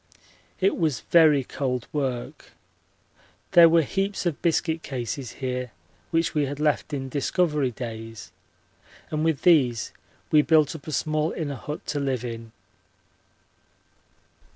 It was very cold work. There were heaps of biscuit cases here which we had left in Discovery days, and with these we built up a small inner hut to live in.